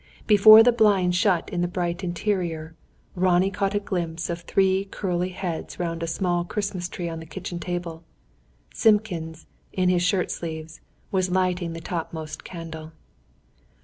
Before the blind shut in the bright interior, Ronnie caught a glimpse of three curly heads round a small Christmas tree on the kitchen table. Simpkins, in his shirt sleeves, was lighting the topmost candle.